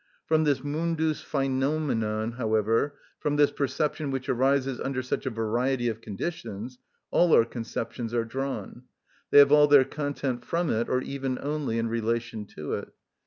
From this mundus phœnomenon, however, from this perception which arises under such a variety of conditions, all our conceptions are drawn. They have all their content from it, or even only in relation to it.